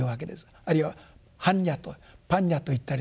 あるいは般若と「パンニャ」といったりするわけです。